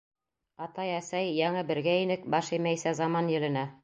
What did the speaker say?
Атай, әсәй, яңы бергә инек, Баш эймәйсә заман еленә.